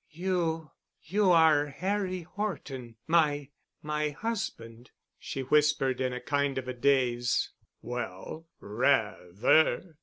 "You—you are Harry Horton—my—my husband?" she whispered in a kind of daze. "Well, rather."